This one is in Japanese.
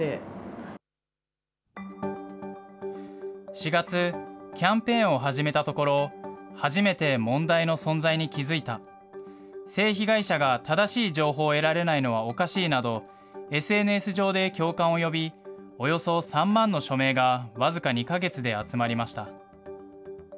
４月、キャンペーンを始めたところ、初めて問題の存在に気付いた、性被害者が正しい情報を得られないのはおかしいなど、ＳＮＳ上で共感を呼び、およそ３万の署名が僅か２か月で集まりました。